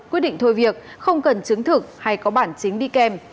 quyết định thôi việc không cần chứng thực hay có bản chính đi kèm